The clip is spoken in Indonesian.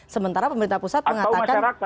sementara pemerintah pusat mengatakan